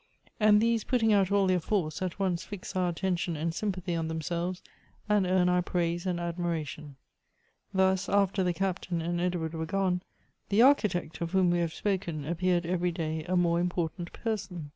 And these putting out all their force, at once fix our attention and sympathy on themselves, and earn our praise and admira tion. Thus, after the Captain and Edward were gone, the Architect, of whom we have spoken, appeared eveiy day a more important person.